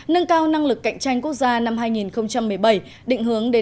nâng cao năng lực cạnh tranh quốc gia nâng cao năng lực cạnh tranh quốc gia